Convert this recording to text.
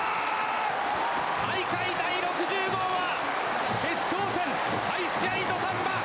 大会第６０号は決勝再試合土壇場